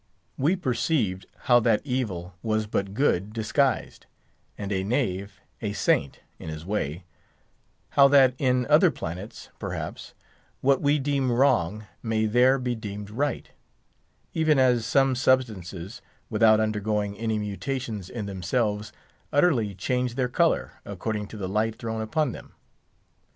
We perceived how that evil was but good disguised, and a knave a saint in his way; how that in other planets, perhaps, what we deem wrong, may there be deemed right; even as some substances, without undergoing any mutations in themselves utterly change their colour, according to the light thrown upon them.